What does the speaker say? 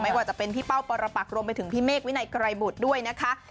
ว่าจะเป็นพี่เป้าปรปักรวมไปถึงพี่เมฆวินัยไกรบุตรด้วยนะคะ